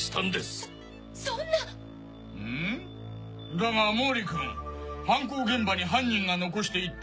だが毛利君犯行現場に犯人が残していった